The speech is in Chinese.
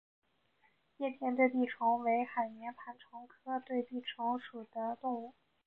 叶片对臂虫为海绵盘虫科对臂虫属的动物。